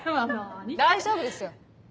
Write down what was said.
大丈夫ですよ。